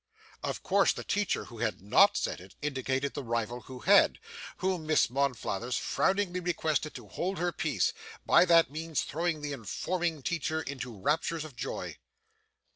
Of course the teacher who had not said it, indicated the rival who had, whom Miss Monflathers frowningly requested to hold her peace; by that means throwing the informing teacher into raptures of joy.